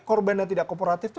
korban yang tidak kooperatif